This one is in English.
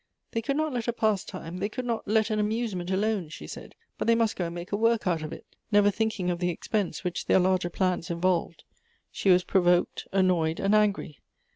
They could not let a pastime, they could not let an amusement alone, she said, but they must go and make a work out of it, never thinking of the .expense which their larger plans involved. She was pro voked, annoyed, and angry.